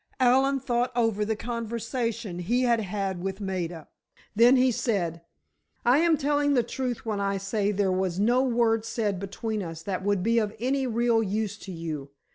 Allen thought over the conversation he had had with Maida. Then he said: "I am telling the truth when I say there was no word said between us that would be of any real use to you.